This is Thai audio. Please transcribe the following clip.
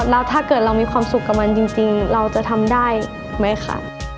แล้วถ้าเกิดเรามีความสุขกับมันจริงเราจะทำได้ไหมคะ